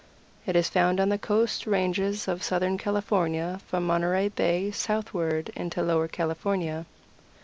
It is found on the coast ranges of southern California from Monterey Bay southward into Lower California.